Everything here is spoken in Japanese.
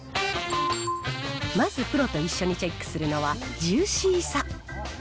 まず、プロと一緒にチェックするのはジューシーさ。